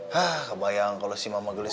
hah kebayang kalau si mama gelis